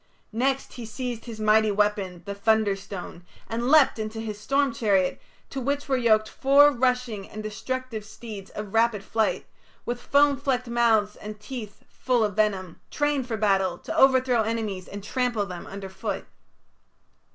Next he seized his mighty weapon, the thunderstone, and leapt into his storm chariot, to which were yoked four rushing and destructive steeds of rapid flight, with foam flecked mouths and teeth full of venom, trained for battle, to overthrow enemies and trample them underfoot.